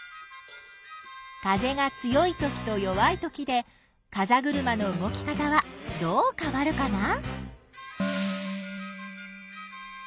風が強いときと弱いときでかざぐるまの動き方はどうかわるかな？